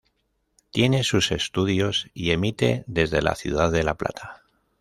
Tiene sus estudios y emite desde la ciudad de La Plata.